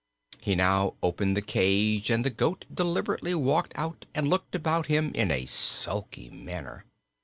He now opened the cage and the goat deliberately walked out and looked about him in a sulky manner.